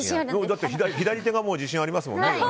だって左手がもう自信ありますもんね。